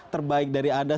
terbaik dari anda